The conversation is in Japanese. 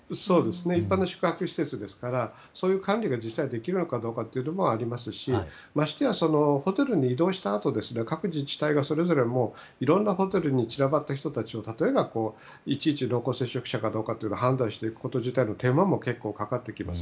一般の宿泊施設ですからそういう管理ができるのかどうかというのもありますしましてや、ホテルに移動したあと各自治体がいろんなホテルに散らばってる人たちを例えば、いちいち濃厚接触者かどうかを判断する手間もかかってきます。